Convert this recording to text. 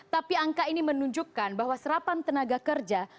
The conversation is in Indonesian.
tapi angka ini menunjukkan bahwa serapan tenaga kerja